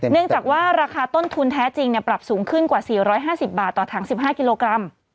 เนื่องจากว่าราคาต้นทุนแท้จริงปรับสูงขึ้นกว่า๔๕๐บาทต่อถัง๑๕กิโลกรัม